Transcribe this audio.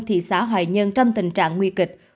thị xã hoài nhân trong tình trạng nguy kịch